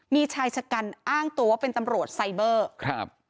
มีชายชะกันอ้างตัวว่าเป็นตำรวจไซเบอร์ครับ